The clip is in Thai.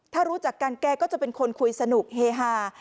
ถ้ารู้จักกันแกก็จะเป็นคนคุยสนุกเฮฮา